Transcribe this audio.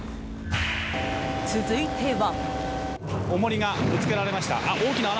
続いては。